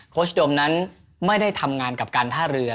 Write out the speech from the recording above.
โชชโดมนั้นไม่ได้ทำงานกับการท่าเรือ